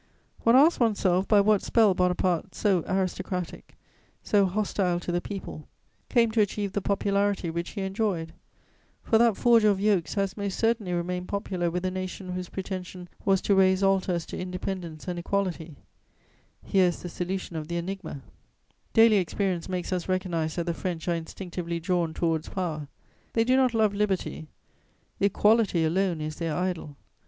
One asks one's self by what spell Bonaparte, so aristocratic, so hostile to the people, came to achieve the popularity which he enjoyed: for that forger of yokes has most certainly remained popular with a nation whose pretension was to raise altars to independence and equality; here is the solution of the enigma: Daily experience makes us recognise that the French are instinctively drawn towards power; they do not love liberty; equality alone is their idol.